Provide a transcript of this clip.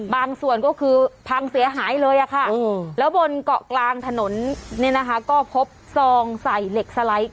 ส่วนก็คือพังเสียหายเลยค่ะแล้วบนเกาะกลางถนนเนี่ยนะคะก็พบซองใส่เหล็กสไลด์